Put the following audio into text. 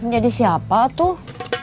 jadi siapa tuh